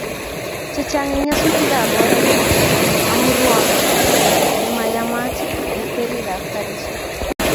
Chechang' eng' nyasutik ab oret ko amun rwando nemayamat eng' kwerik ap karisyek.